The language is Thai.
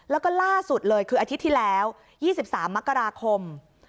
แล้วก็ล่าสุดเลยคืออาทิตย์ที่แล้ว๒๓มกราคม